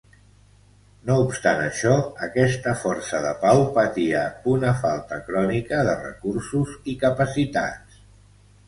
No obstant això, aquesta força de pau patia una falta crònica de recursos i capacitats.